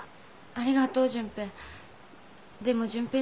ありがとう純平。